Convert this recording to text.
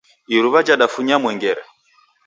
Iruwa jadafunya mwengere